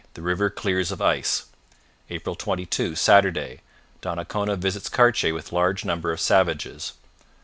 The river clear of ice. " 22 Saturday Donnacona visits Cartier with large number of savages.